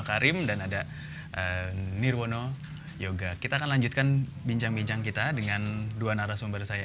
karim dan ada nirwono yoga kita akan lanjutkan bincang bincang kita dengan dua narasumber saya